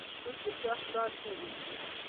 څوک د چا ښکار کوي؟